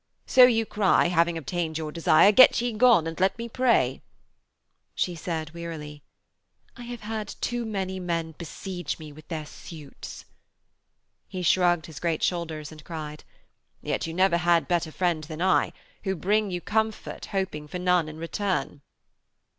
So you cry, having obtained your desire, "Get ye gone, and let me pray!"' She said wearily: 'I have had too many men besiege me with their suits.' He shrugged his great shoulders and cried: 'Yet you never had friend better than I, who bring you comfort hoping for none in return.'